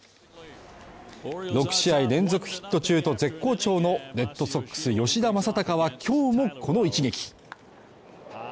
６試合連続ヒット中と絶好調のレッドソックス吉田正尚は今日もこの一撃。